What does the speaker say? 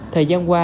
thời gian qua